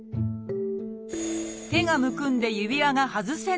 手がむくんで指輪が外せない。